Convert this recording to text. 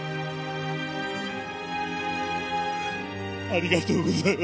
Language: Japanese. ありがとうございます。